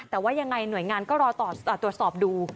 แต่ว่ายังไงหน่วยงานก็รอตรวจสอบดู